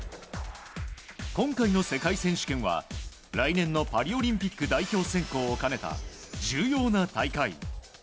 今回の世界選手権は来年のパリオリンピック代表選考を兼ねた重要な大会。